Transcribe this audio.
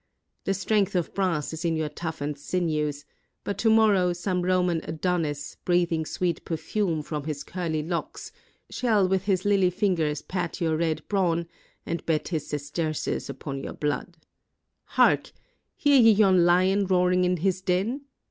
The strength of brass is in your toughened sinews; but to morrow some Roman Adonis, breathing sweet perfume from his curly locks, shall with his lily fingers pat your red brawn and bet his sesterces upon your blood. Hark! hear ye yon lion roaring in his den?